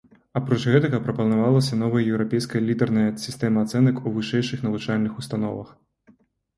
Апроч гэтага прапанавалася новая еўрапейская літарная сістэма ацэнак у вышэйшых навучальных установах.